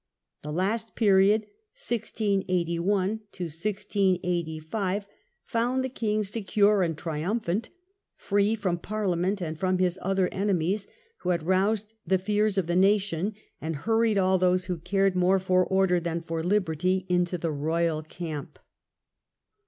The last period (1681 1685) found the king secure and triumphant, free from Parliament, and from his other enemies, who had roused the fears of the nation, and hurried all those who cared more for order than for liberty into the royal camp.